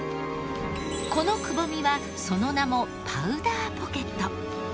このくぼみはその名もパウダーポケット。